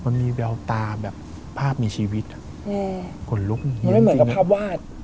มันมีแววตาแบบภาพมีชีวิตอ่ะอืมขนลุกมันไม่เหมือนกับภาพวาด